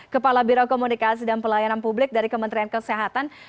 kepala biro komunikasi dan pelayanan publik dari kementerian kesehatan